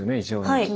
はい。